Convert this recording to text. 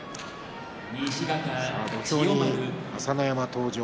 土俵に朝乃山登場。